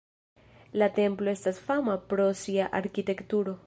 La templo estas fama pro sia arkitekturo.